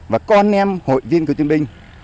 và con em hội viên cựu chiến binh